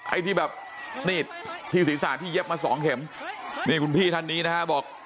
ไอ้ที่แบบนี่ที่ศีรษะที่เย็บมาสองเข็มนี่คุณพี่ท่านนี้นะฮะบอก